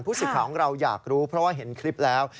สิทธิ์ของเราอยากรู้เพราะว่าเห็นคลิปแล้ว